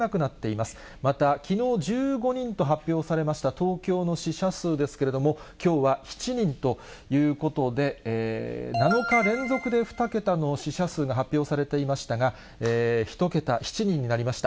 また、きのう１５人と発表されました東京の死者数ですけれども、きょうは７人ということで、７日連続で２桁の死者数が発表されていましたが、１桁、７人になりました。